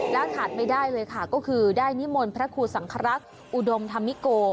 แล้วขาดไม่ได้เลยค่ะก็คือได้นิมนต์พระครูสังครักษ์อุดมธรรมิโก